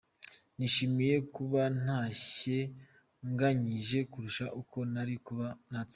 Nishimiye kuba ntashye nganyije kurusha uko nari kuba natsinzwe.